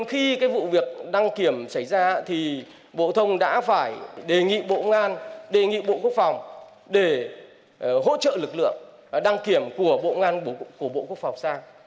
khi cái vụ việc đăng kiểm xảy ra thì bộ thông đã phải đề nghị bộ ngan đề nghị bộ quốc phòng để hỗ trợ lực lượng đăng kiểm của bộ ngan của bộ quốc phòng sang